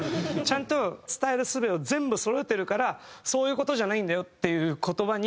ちゃんと伝える術を全部そろえてるからそういう事じゃないんだよっていう言葉に説得力がある。